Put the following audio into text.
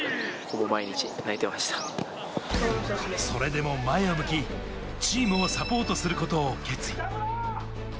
それでも前を向き、チームをサポートすることを決意。